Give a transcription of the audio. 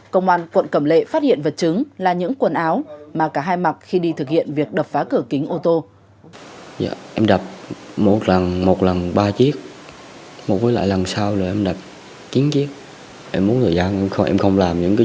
công an quận cẩm lệ phát hiện vật chứng là những quần áo mà cả hai mặt khi đi thực hiện việc đập phá cửa kính ô tô